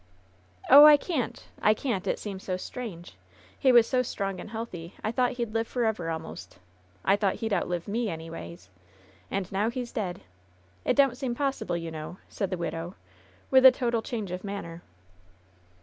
"Oh, I can't ! I canH ! It seems so strange ! He was so strong and healthy I thought he'd live forever al most ! I thought he'd outlive me, anyways. And now he's dead ! It don't seem possible, you know," said the widow, with a total change of manner.